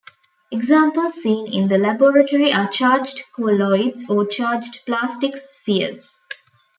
Examples seen in the laboratory are charged colloids or charged plastic spheres.